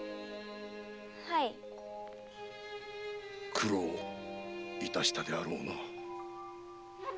苦労いたしたであろうな？